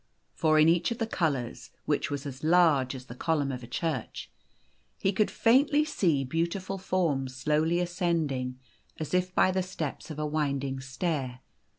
For in each of the colours, which was as laro;e as the column ~ of a church, he could faintly see beautiful forms slowly ascending as if by the steps of a winding stair.